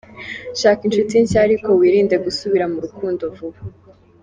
Shaka inshuti nshya ariko wirinde gusubira mu rukundo vuba.